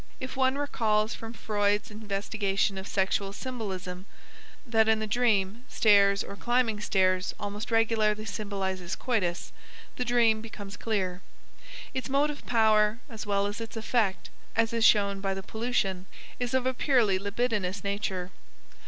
If one recalls from Freud's investigation of sexual symbolism that in the dream stairs or climbing stairs almost regularly symbolizes coitus, the dream becomes clear. Its motive power as well as its effect, as is shown by the pollution, is of a purely libidinous nature.